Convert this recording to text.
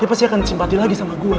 dia pasti akan simpati lagi sama gue